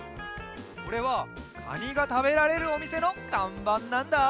これはカニがたべられるおみせのかんばんなんだ！